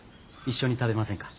一緒に食べませんか。